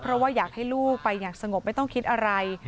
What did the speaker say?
เพราะว่าอยากให้ลูกไปอย่างสงบไม่ต้องคิดอะไร